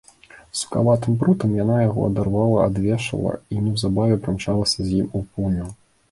Сукаватым прутам яна яго адарвала ад вешала і неўзабаве прымчалася з ім у пуню.